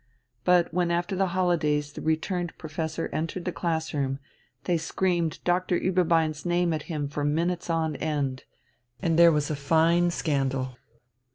But when after the holidays the returned professor entered the class room, they screamed Doctor Ueberbein's name at him for minutes on end and there was a fine scandal.